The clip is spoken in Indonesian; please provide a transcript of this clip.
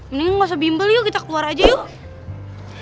mending gak usah bimbel yuk kita keluar aja yuk